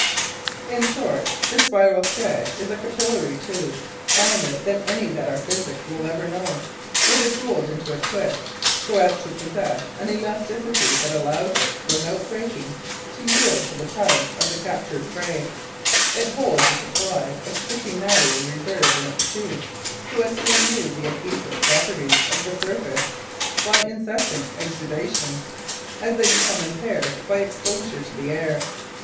In short, the spiral thread is a capillary tube finer than any that our physics will ever know. It is rolled into a twist so as to possess an elasticity that allows it, without breaking, to yield to the tugs of the captured prey; it holds a supply of sticky matter in reserve in its tube, so as to renew the adhesive properties of the surface by incessant exudation, as they become impaired by exposure to the air.